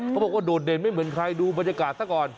เขาบอกว่าโดดเด่นไม่เหมือนใครดูบรรยากาศก่อน